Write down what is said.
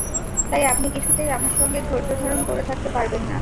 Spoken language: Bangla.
তাই আপনি কিছুতেই আমার সঙ্গে ধৈর্যধারণ করে থাকতে পারবেন না।